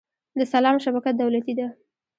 د سلام شبکه دولتي ده؟